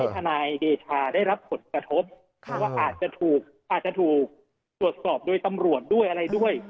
ทนายเดชาได้รับผลกระทบเพราะว่าอาจจะถูกอาจจะถูกตรวจสอบโดยตำรวจด้วยอะไรด้วย